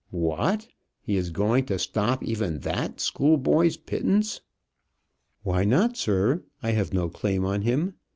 "What! he is going to stop even that school boy's pittance?" "Why not, sir? I have no claim on him.